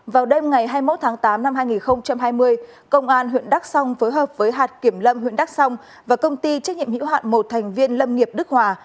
vào đêm ngày hai mươi một tháng tám năm hai nghìn hai mươi công an huyện đắk song phối hợp với hạt kiểm lâm huyện đắk song và công ty trách nhiệm hữu hạn một thành viên lâm nghiệp đức hòa